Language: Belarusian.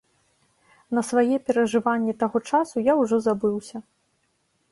На свае перажыванні таго часу я ўжо забыўся.